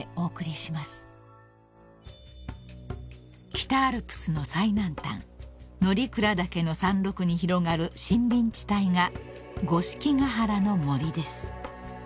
［北アルプスの最南端乗鞍岳の山麓に広がる森林地帯が五色ヶ原の森です］